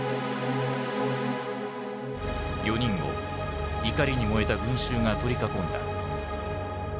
４人を怒りに燃えた群衆が取り囲んだ。